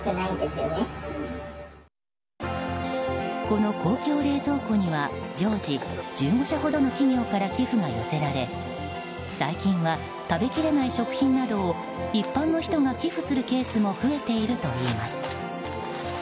この公共冷蔵庫には常時１５社ほどの企業から寄付が寄せられ最近は、食べきれない食品などを一般の人が寄付するケースも増えているといいます。